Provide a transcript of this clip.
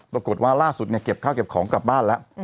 ปรากฏว่าล่าสุดเนี่ยเก็บข้าวเก็บของกลับบ้านแล้ว